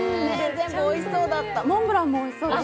全部おいしそうだった。